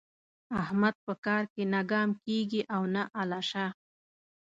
احمد په کار کې نه ګام کېږي او نه الشه.